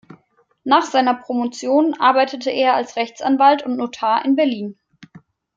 Nach seiner Promotion arbeitete er als Rechtsanwalt und Notar in Berlin.